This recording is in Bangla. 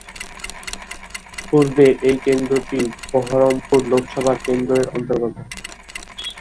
পূর্বে এই কেন্দ্রটি বহরমপুর লোকসভা কেন্দ্র এর অন্তর্গত।